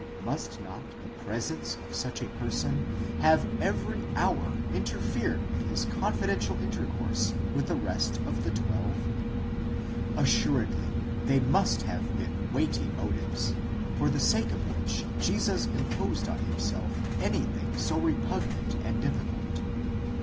Must not the presence of such a person have every hour interfered with his confidential intercourse with the rest of the twelve? Assuredly they must have been weighty motives, for the sake of which Jesus imposed on himself anything so repugnant and difficult.